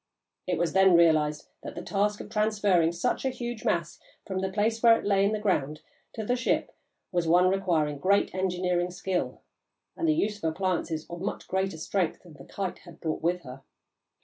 It was then realised that the task of transferring such a huge mass from the place where it lay in the ground to the ship was one requiring great engineering skill and the use of appliances of much greater strength than the Kite had brought with her.